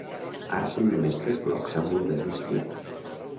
Ara són només tres blocs a Mulberry Street.